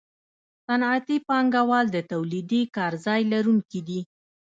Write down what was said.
صنعتي پانګوال د تولیدي کارځای لرونکي دي